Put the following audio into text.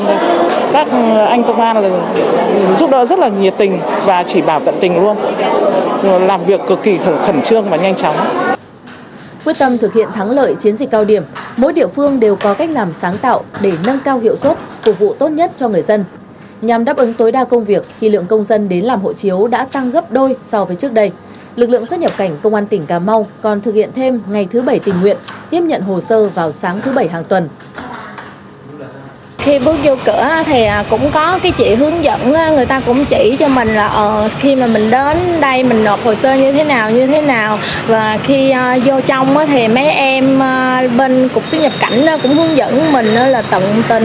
và khi vô trong thì mấy em bên cục xuất nhập cảnh cũng hướng dẫn mình là tận tình chú đáo